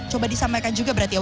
coba disampaikan juga berarti